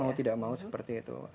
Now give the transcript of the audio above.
mau tidak mau seperti itu